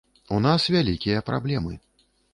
У нас вялікія праблемы.